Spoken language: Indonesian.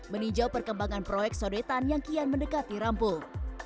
meninjau perkembangan proyek sodetan yang kian mendekati rampung